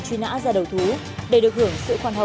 quyết định truy nã số một mươi bảy